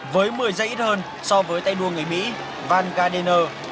với một mươi giây ít hơn so với tay đua người mỹ van gardiner